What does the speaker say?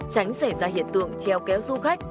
tránh xảy ra hiện tượng treo kéo du khách